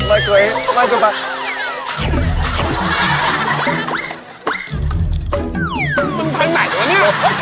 ไม่เคยไม่จะไป